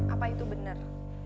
apa itu bener